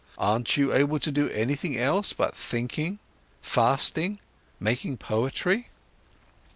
Aren't you able to do anything else but thinking, fasting, making poetry?"